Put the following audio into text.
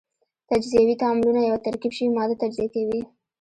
تجزیوي تعاملونه یوه ترکیب شوې ماده تجزیه کوي.